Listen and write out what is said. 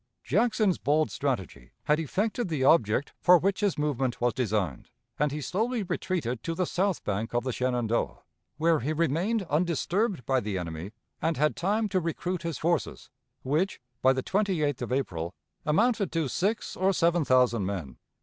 Jackson's bold strategy had effected the object for which his movement was designed, and he slowly retreated to the south bank of the Shenandoah, where he remained undisturbed by the enemy, and had time to recruit his forces, which, by the 28th of April, amounted to six or seven thousand men.